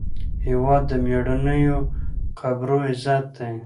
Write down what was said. هېواد د میړنیو قبرو عزت دی.